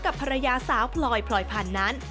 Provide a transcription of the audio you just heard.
กับภรรยาสาวพลอยพลอยพันธุ์นั้น